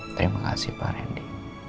terima kasih pak randy